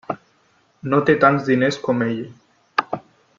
No té tants diners com ella.